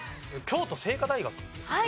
京都精華大学ですか？